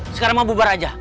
sekarang mau bubar aja